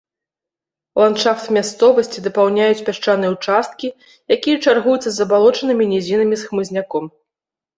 Ландшафт мясцовасці дапаўняюць пясчаныя ўчасткі, якія чаргуюцца з забалочанымі нізінамі з хмызняком.